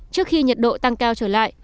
trước khi nhiệt độ tăng cao trở lại